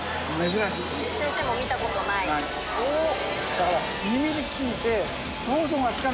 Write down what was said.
だから。